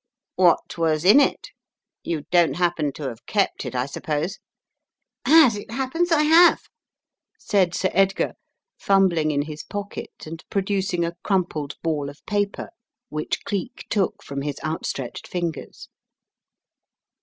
"What was in it; you don't happen to have kept it, I suppose?" "As it happens, I have," said Sir Edgar, fumbling in his pocket and producing a crumpled ball of paper which Cleek took from his outstretched fingers.